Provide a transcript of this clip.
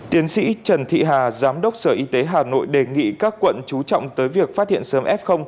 tiến sĩ trần thị hà giám đốc sở y tế hà nội đề nghị các quận trú trọng tới việc phát hiện sớm f